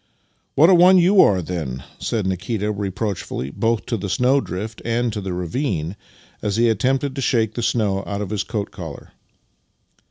" What a one you are, then! " said Nikita, reproach fully, both to the snowdrift and to the ravine, as he attempted to shake the snow out of his coat collar.